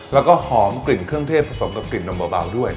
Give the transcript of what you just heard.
แล้วก็หอมกลิ่นเครื่องเทศผสมกับกลิ่นนมเบาด้วย